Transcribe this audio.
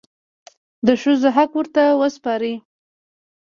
د ښځو حق ورته وسپارئ.